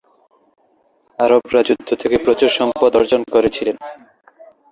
আরবরা যুদ্ধ থেকে প্রচুর সম্পদ অর্জন করেছিল।